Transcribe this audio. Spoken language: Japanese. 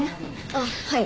あっはい。